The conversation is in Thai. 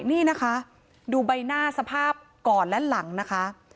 นี่นะคะดูใบหน้าสภาพก่อนและหลังนะคะ